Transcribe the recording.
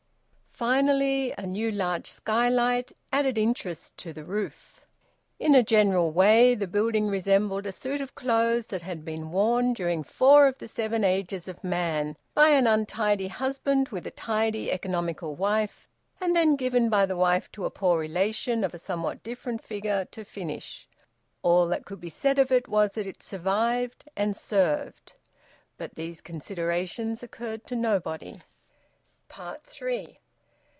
Finally, a new large skylight added interest to the roof. In a general way, the building resembled a suit of clothes that had been worn, during four of the seven ages of man, by an untidy husband with a tidy and economical wife, and then given by the wife to a poor relation of a somewhat different figure to finish. All that could be said of it was that it survived and served. But these considerations occurred to nobody. THREE.